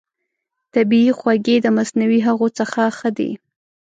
طبیعي خوږې د مصنوعي هغو څخه ښه دي.